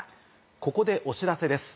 ここでお知らせです。